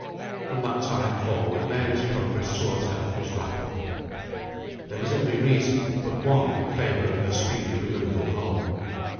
From that time forward Mary's progress towards health was rapid. There was every reason, but one, in favour of her speedy removal home.